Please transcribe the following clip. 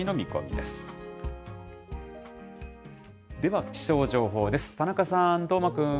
では、気象情報です。